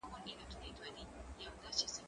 هغه څوک چي اوبه څښي قوي وي!!